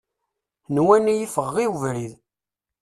Nwan-iyi ffɣeɣ i ubrid.